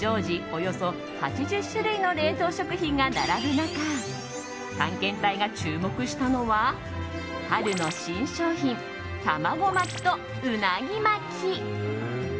およそ８０種類の冷凍食品が並ぶ中探検隊が注目したのは春の新商品たまご巻きと、うなぎ巻き。